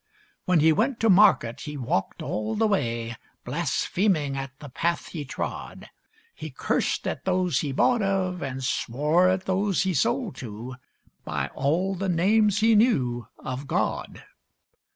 When he went to market he walked all the way Blaspheming at the path he trod. He cursed at those he bought of, and swore at those he sold to, By all the names he knew of God.